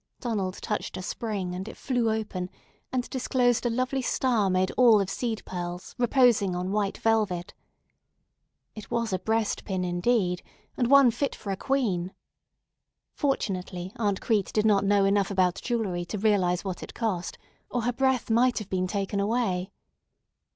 Donald touched a spring, and it flew open and disclosed a lovely star made all of seed pearls, reposing on white velvet. It was a "breastpin" indeed, and one fit for a queen. Fortunately Aunt Crete did not know enough about jewelry to realize what it cost, or her breath might have been taken away.